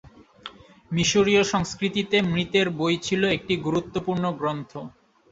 মিশরীয় সংস্কৃতিতে মৃতের বই ছিল একটি গুরুত্বপূর্ণ গ্রন্থ।